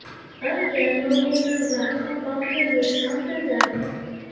Olga Morozova remporte le simple dames.